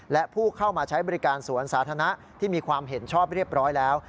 และผู้เข้ามาใช้บริการสวนสาธารณะที่มีความเห็นชอบเรียบร้อยแล้ว